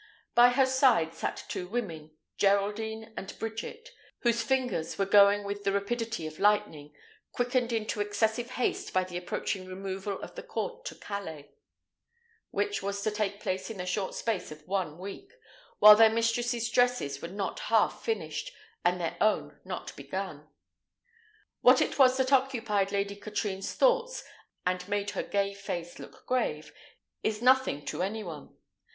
By her side sat her two women, Geraldine and Bridget, whose fingers were going with the rapidity of lightning, quickened into excessive haste by the approaching removal of the court to Calais, which was to take place in the short space of one week, while their mistress's dresses were not half finished, and their own not begun. What it was that occupied Lady Katrine's thoughts, and made her gay face look grave, is nothing to any one.